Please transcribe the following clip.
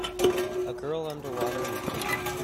A girl underwater in a pool.